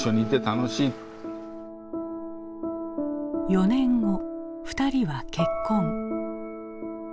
４年後２人は結婚。